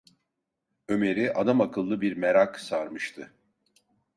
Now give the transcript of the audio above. Ömer’i adamakıllı bir merak sarmıştı.